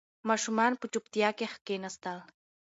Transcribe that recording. ماشومان په چوپتیا کې کښېناستل.